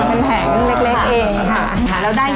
คุณนี่คุณช่วยอย่างนี้ไหม